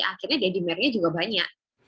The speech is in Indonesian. akhirnya d dimernya juga banyak